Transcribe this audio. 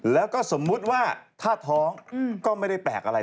แล้วก็สมมุติว่าถ้าท้องก็ไม่ได้แปลกอะไร